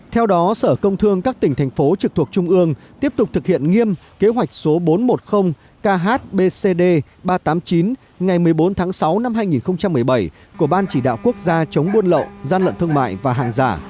theo đó sở công thương các tỉnh thành phố trực thuộc trung ương tiếp tục thực hiện nghiêm kế hoạch số bốn trăm một mươi khbcd ba trăm tám mươi chín ngày một mươi bốn tháng sáu năm hai nghìn một mươi bảy của ban chỉ đạo quốc gia chống buôn lậu gian lận thương mại và hàng giả